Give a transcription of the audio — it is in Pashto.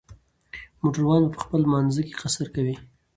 موټروان به په خپل لمانځه کې قصر کوي